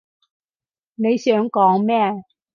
你想講咩？